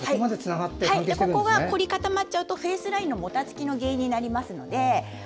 ここが凝り固まっちゃうとフェイスラインのもたつきの原因になりますので。